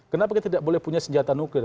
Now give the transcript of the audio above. kenapa kita tidak boleh punya senjata nuklir